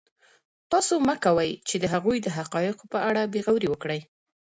تاسو مه کوئ چې د هغوی د حقایقو په اړه بې غوري وکړئ.